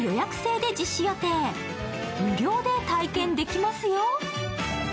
無料で体験できますよ。